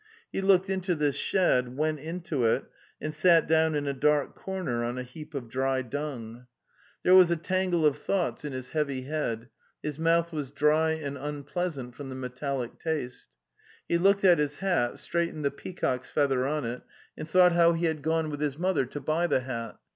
He looked into this shed, went into it, and sat down in a dark corner on a heap of dry dung. The Steppe 283 There was a tangle of thoughts in his heavy head; his mouth was dry and unpleasant from the metallic taste. He looked at his hat, straightened the pea cock's feather on it, and thought how he had gone with his mother to buy the hat.